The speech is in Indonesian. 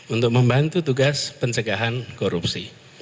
untuk membantu tugas pencegahan korupsi